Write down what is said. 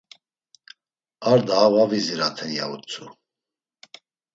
Ar daha var viziraten, ya utzu.